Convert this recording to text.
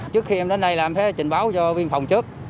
trước khi em đến đây là em phải trình báo cho viên phòng trước